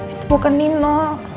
itu bukan nino